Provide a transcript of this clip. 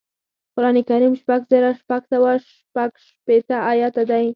قران کریم شپږ زره شپږ سوه شپږشپېته ایاته دی